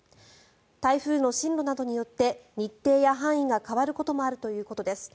台風の進路などによって日程や範囲が変わる可能性もあるということです。